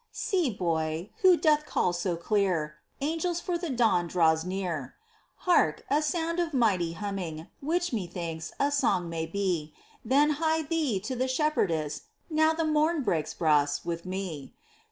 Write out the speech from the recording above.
See, boy, who doth call so clear !— Angels, for the Dawn draws near. Hark ! a sound of mighty humming. Which, methinks, a song may be : Then hie thee to the Shepherdess, Now the mom breaks. Bras, with me.